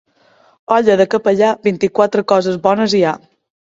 Olla de capellà, vint-i-quatre coses bones hi ha.